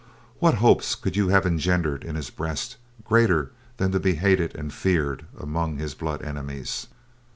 What hopes could you have engendered in his breast greater than to be hated and feared among his blood enemies?"